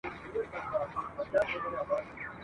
بې فایده وه چي وهله یې زورونه !.